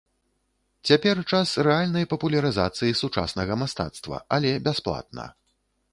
Цяпер час рэальнай папулярызацыі сучаснага мастацтва, але бясплатна.